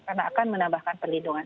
karena akan menambahkan perlindungan